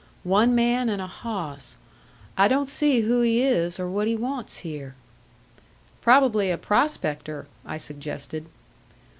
One man and a hawss. I don't see who he is or what he wants here." "Probably a prospector," I suggested.